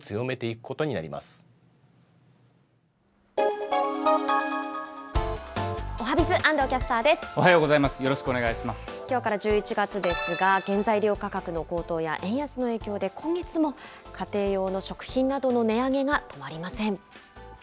きょうから１１月ですが、原材料価格の高騰や、円安の影響で、今月も家庭用の食品などの値上げが止まりません。